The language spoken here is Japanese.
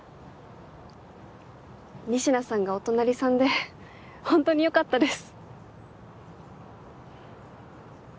仁科さんがお隣さんでホントによかったです。